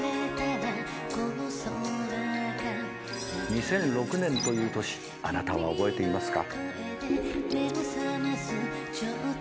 ２００６年という年あなたは覚えていますか？